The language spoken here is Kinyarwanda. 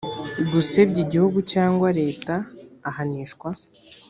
gusebya igihugu cyangwa leta ahanishwa